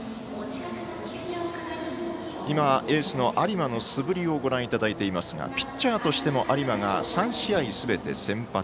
今、エースの有馬の素振りをご覧いただいていますがピッチャーとしても有馬が３試合すべて先発。